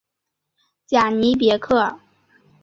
贾尼别克。